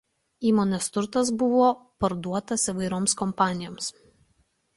Įmonės turtas buvo parduotas įvairioms kompanijoms.